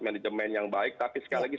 manajemen yang baik tapi sekali lagi